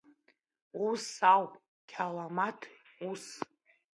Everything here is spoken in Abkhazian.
Ус ауп, қьаламаҭ, ус…